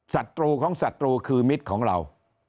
ศัตรูของศัตรูคือมิตรของเรา